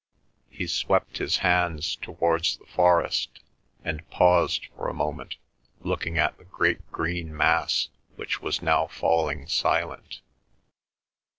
He swept his hands towards the forest, and paused for a moment, looking at the great green mass, which was now falling silent.